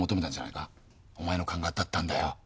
お前の勘が当たったんだよ。